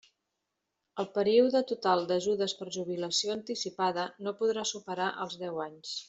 El període total d'ajudes per jubilació anticipada no podrà superar els deu anys.